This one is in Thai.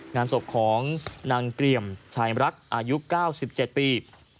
งานศพของนางเกลี่ยมชายรักอายุ๙๗ปี